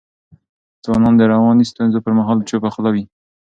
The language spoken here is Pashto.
ځوانان د رواني ستونزو پر مهال چوپه خوله وي.